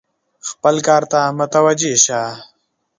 خپل کار ته متوجه شه !